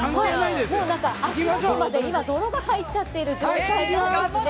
足元まで今、泥が入っちゃている状態なんですね。